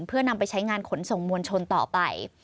เพื่อนำไปใช้งานขนส่งมวลชนต่อไป